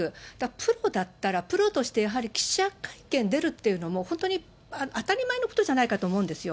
プロだったら、プロとして、やはり記者会見出るっていうのも、本当に当たり前のことじゃないかと思うんですよ。